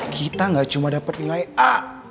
kita gak cuma dapat nilai a